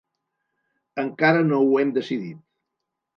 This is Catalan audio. Encara no ho hem decidit.